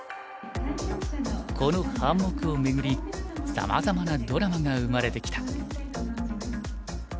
この半目を巡りさまざまなドラマが生まれてきた。